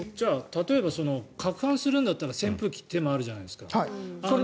例えばかくはんするんだったら扇風機っていう手もあるじゃないですか。